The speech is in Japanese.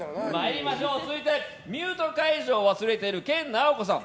続いてミュート解除を忘れている研ナオコさん。